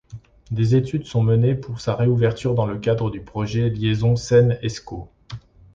Des études sont menées pour sa réouverture dans le cadre du projet Liaison Seine-Escaut.